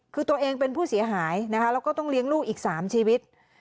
คือตัวเองเป็นผู้เสียหายนะคะแล้วก็ต้องเลี้ยงลูกอีก๓ชีวิต